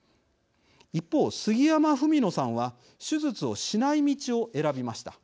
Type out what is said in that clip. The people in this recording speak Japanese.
一方、杉山文野さんは手術をしない道を選びました。